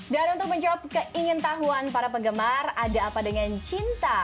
dan untuk menjawab keingin tahuan para pegemar ada apa dengan cinta